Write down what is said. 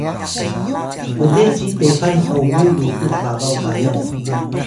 Maray: ble ci texan hongu lutux babaw kayan